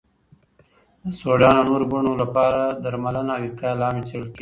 د سودان او نورو بڼو لپاره درملنه او وقایه لا هم څېړل کېږي.